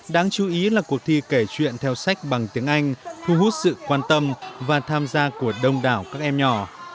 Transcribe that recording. đáng chú ý là cuộc thi kể chuyện theo sách bằng tiếng anh thu hút sự quan tâm và tham gia của đông đảo các em nhỏ